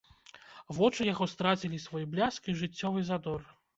Вочы яго страцілі свой бляск і жыццёвы задор.